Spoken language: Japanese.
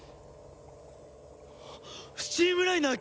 スチームライナー